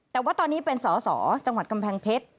แต่ว่าตอนนี้เป็นสอสอจังหวัดกำแพงเพชร